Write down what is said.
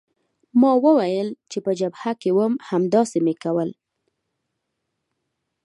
ما وویل چې په جبهه کې وم همداسې مې کول.